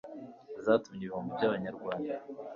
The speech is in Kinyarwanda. zatumye ibihumbi by'abanyarwanda